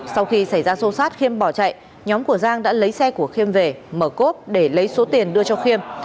sau khi xảy ra xô xát khiêm bỏ chạy nhóm của giang đã lấy xe của khiêm về mở cốp để lấy số tiền đưa cho khiêm